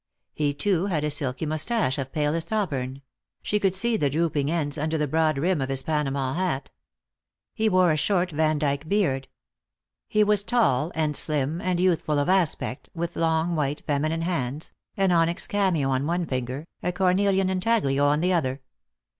He too had a silky moustache of palest auburn ; she could just see the drooping ends under the broad brim of his Panama hat. He wore a short Vandyke beard. He was tall and slim, and youthful of aspect, with long white feminine hands, an onyx cameo on one finger, a cornelian intaglio on the other.